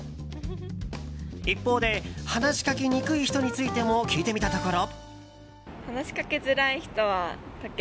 一方で話しかけにくい人についても聞いてみたところ。